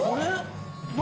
何？